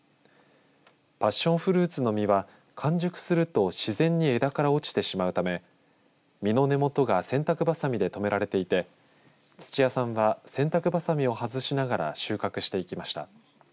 パッションフルーツの実は完熟すると自然に枝から落ちてしまうため実の根元が洗濯ばさみで止められていて土屋さんは洗濯ばさみを外しながら収穫していきました。